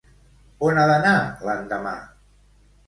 On ha d'anar l'endemà?